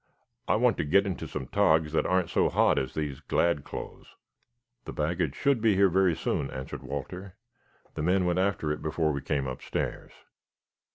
I want to get into some togs that aren't so hot as these glad clothes." "The baggage should be here very soon," answered Walter. "The men went after it before we came upstairs."